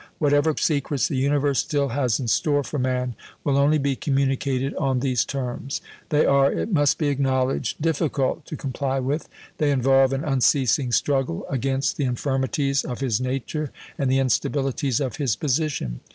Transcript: Whatever secrets the universe still has in store for man will only be communicated on these terms. They are, it must be acknowledged, difficult to comply with. They involve an unceasing struggle against the infirmities of his nature and the instabilities of his position.